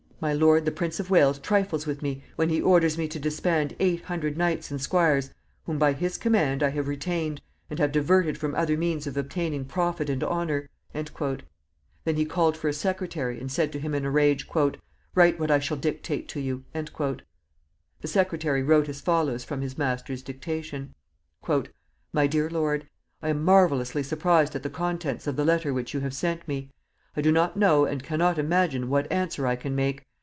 "My lord the Prince of Wales trifles with me when he orders me to disband eight hundred knights and squires whom, by his command, I have retained, and have diverted from other means of obtaining profit and honor." Then he called for a secretary, and said to him in a rage, "Write what I shall dictate to you." The secretary wrote as follows from his master's dictation: "MY DEAR LORD, "I am marvelously surprised at the contents of the letter which you have sent me. I do not know and can not imagine what answer I can make.